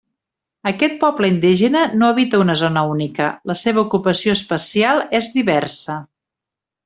Aquest poble indígena no habita una zona única, la seva ocupació espacial és diversa.